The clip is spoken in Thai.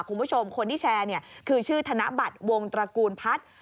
คุณผู้ชมคนที่แชร์เนี่ยคือชื่อธนบัตรวงตระกูลพัฒน์